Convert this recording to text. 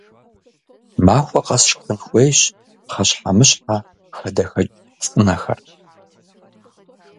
Махуэ къэс шхын хуейщ пхъэщхьэмыщхьэ, хадэхэкӀ цӀынэхэр.